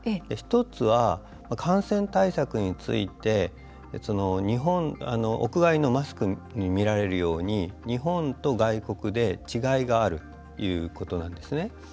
１つは、感染対策について屋外のマスクにみられるように日本と外国で違いがあるということです。